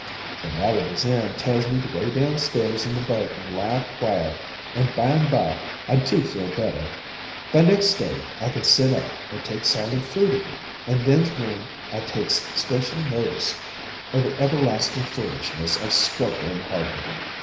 "But Ally Bazan tells me to go downstairs in the boat an' lie up quiet, an' byne by I do feel better. By next day I kin sit up and take solid food again. An' then's when I takes special notice o' the everlastin' foolishness o' Strokner and Hardenberg.